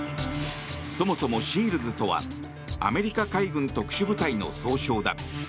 そもそもＳＥＡＬｓとはアメリカ海軍特殊部隊の総称だ。